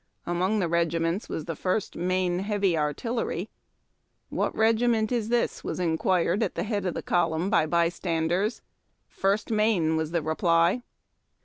Among the regi ments was the First Maine Heavy Artillery. " What regiment is this ?" was inquired at the head of the column by bj'standers. "First Maine," was the reply.